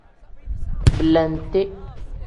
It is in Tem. Belente.